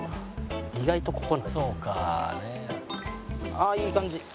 ああいい感じ。